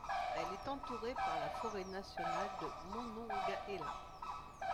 Elle est entourée par la forêt nationale de Monongahela.